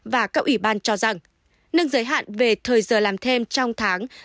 và các ủy ban cho rằng nâng giới hạn về thời giờ làm thêm trong tháng